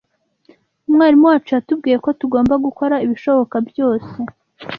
Umwarimu wacu yatubwiye ko tugomba gukora ibishoboka byose.